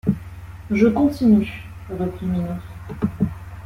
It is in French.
Je continue, reprit Minos.